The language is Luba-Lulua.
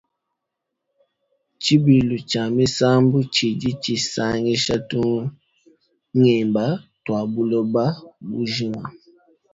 Tshibilu tshia misambu tshidi tshisangisha tungimba tua buloba bujima.